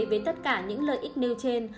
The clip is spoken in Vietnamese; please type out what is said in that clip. với tất cả những lợi ích nêu trên